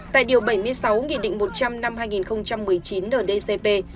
tại điều bảy mươi sáu nghị định một trăm linh năm hai nghìn một mươi chín ndcp